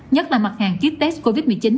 nhất là mặt hàng kit test covid một mươi chín